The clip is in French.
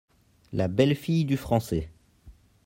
La belle-fille du Français.